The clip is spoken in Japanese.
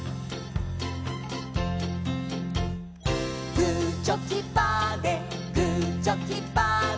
「グーチョキパーでグーチョキパーで」